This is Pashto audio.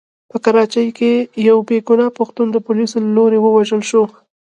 په کراچۍ کې يو بې ګناه پښتون د پوليسو له لوري ووژل شو.